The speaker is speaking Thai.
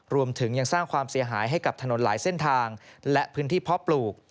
รวมถึงยังสร้างความเสียหายให้กับถนนหลายเส้นทางและพื้นที่เพาะปลูก